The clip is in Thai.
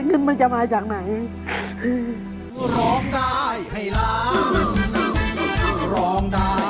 เงินมันจะมาจากไหน